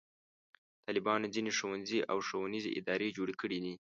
طالبانو ځینې ښوونځي او ښوونیزې ادارې جوړې کړې دي.